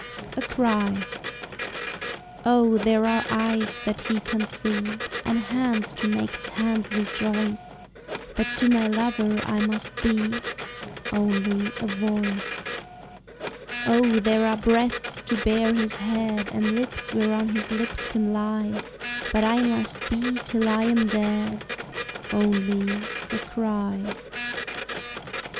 A Cry Oh, there are eyes that he can see, And hands to make his hands rejoice, But to my lover I must be Only a voice. Oh, there are breasts to bear his head, And lips whereon his lips can lie, But I must be till I am dead Only a cry.